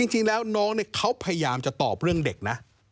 จริงแล้วน้องเขาพยายามจะตอบเรื่องเด็กนะ